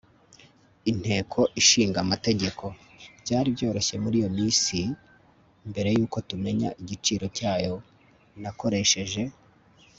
inteko ishinga amategeko. (byari byoroshye muri iyo minsi - mbere yuko tumenya igiciro cyayo.) nakoresheje